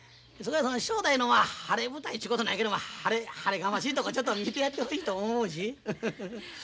正太夫のまあ晴れ舞台ちゅうことないけども晴れ晴れがましいとこちょっと見てやってほしいとも思うし。